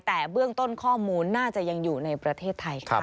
แต่เบื้องต้นข้อมูลน่าจะยังอยู่ในประเทศไทยค่ะ